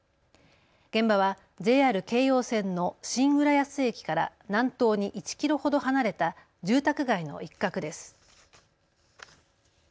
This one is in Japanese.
現場はＪＲ京葉線の新浦安駅から南東に１キロほど離れた住宅街の一角です。